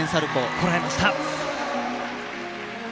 こらえました。